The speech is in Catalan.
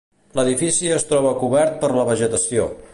L'edifici es troba cobert per la vegetació.